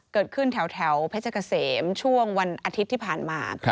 เกิดขึ้นแถวเพชรเกษมช่วงวันอาทิตย์ที่ผ่านมา